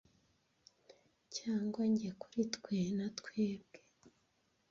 cyangwa Njye kuri Twe na Twebwe